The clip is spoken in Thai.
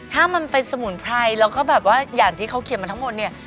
ถ้ามันเป็นสมุนไพรแล้วก็แบบว่าอย่างที่เขาเขียนมาทั้งหมดเนี่ย